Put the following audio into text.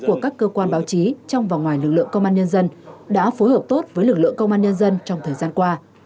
của các cơ quan báo chí trong và ngoài lực lượng công an nhân dân đã phối hợp tốt với lực lượng công an nhân dân trong thời gian qua